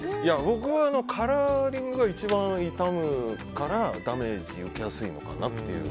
僕は、カラーリングが一番傷むからダメージを受けやすいのかなと。